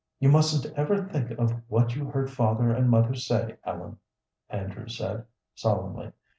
"You mustn't ever think of what you heard father and mother say, Ellen," Andrew said, solemnly.